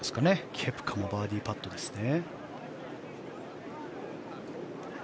ケプカもバーディーパットですね。